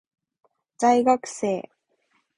在学生